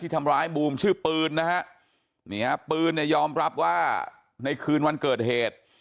ที่ทำร้ายบูมชื่อปืนนะครับปืนยอมรับว่าในคืนวันเกิดเหตุ